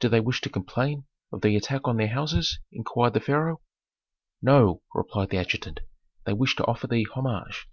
"Do they wish to complain of the attack on their houses?" inquired the pharaoh. "No," replied the adjutant, "they wish to offer thee homage."